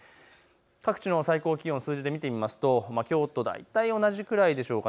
各地の最高気温、数字で見てみますときょうと大体同じくらいでしょうか。